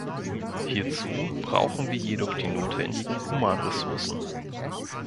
Hierzu brauchen wir jedoch die notwendigen Humanressourcen.